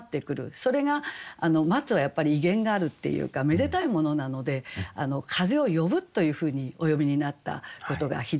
それが松はやっぱり威厳があるっていうかめでたいものなので「風を呼ぶ」というふうにお詠みになったことが非常によかった。